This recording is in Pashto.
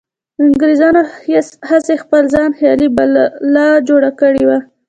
انګریزانو هسې خپل ځانته خیالي بلا جوړه کړې وه.